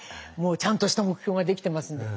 ちゃんとした目標ができてますので。